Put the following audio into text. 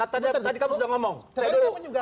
tadi kamu sudah ngomong